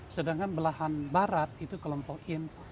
sedangkan belahan barat itu kelompok in